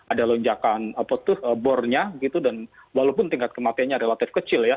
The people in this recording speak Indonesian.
ada lonjakan apa tuh bor nya gitu dan walaupun tingkat kematiannya relatif kecil ya